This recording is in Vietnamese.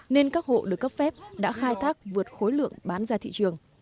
nên các hộ được cấp phép đã khai thác vượt khối lượng bán ra thị trường